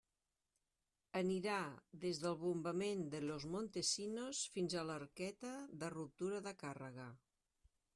Anirà des del bombament de Los Montesinos fins a l'arqueta de ruptura de càrrega.